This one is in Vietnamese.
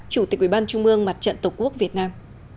chủ tịch ubnd mặt trận tổ quốc việt nam